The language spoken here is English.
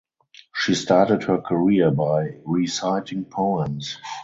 She started her career by reciting poems.